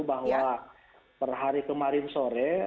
bahwa per hari kemarin sore